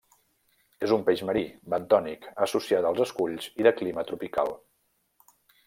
És un peix marí, bentònic, associat als esculls i de clima tropical.